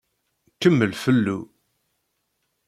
Kemmel fellu.